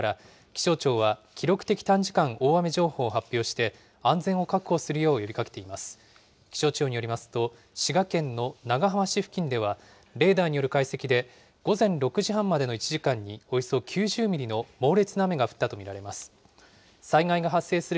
気象庁によりますと、滋賀県の長浜市付近では、レーダーによる解析で、午前６時半までの１時間に、およそ９０ミリの猛烈な雨が降ったと見られます。